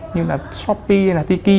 như là shopee hay là tiki